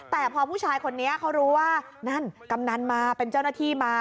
แต่พอผู้ชายคนนี้เขารู้ว่านั่นกำนันมาเป็นเจ้าหน้าที่มา